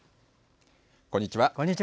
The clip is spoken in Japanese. こんにちは。